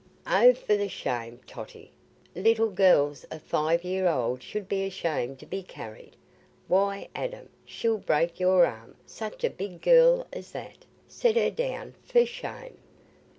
"Oh for shame, Totty! Little gells o' five year old should be ashamed to be carried. Why, Adam, she'll break your arm, such a big gell as that; set her down—for shame!"